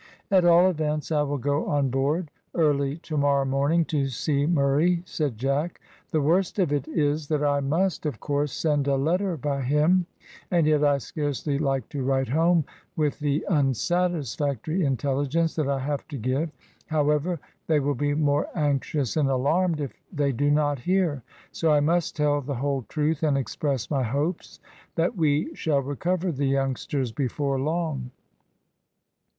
"At all events, I will go on board early to morrow morning to see Murray," said Jack. "The worst of it is that I must, of course, send a letter by him; and yet I scarcely like to write home with the unsatisfactory intelligence I have to give. However, they will be more anxious and alarmed if they do not hear, so I must tell the whole truth, and express my hopes that we shall recover the youngsters before long."